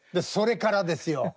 それからですよ